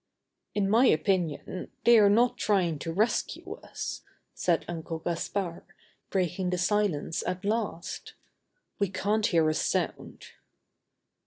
"In my opinion, they are not trying to rescue us," said Uncle Gaspard, breaking the silence at last. "We can't hear a sound."